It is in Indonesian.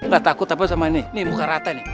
gak takut apa sama ini ini muka rata nih